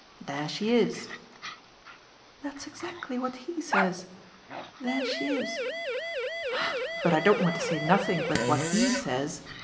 There she is." "That's exactly what HE says. There she is." "Ah but I don't want to say nothing but what 'he' says!"